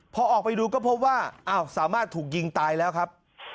พอออกไปดูก็พบว่าอ้าวสามารถถูกยิงตายแล้วครับ